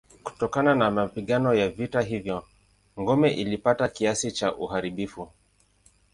Kutokana na mapigano ya vita hivyo ngome ilipata kiasi cha uharibifu.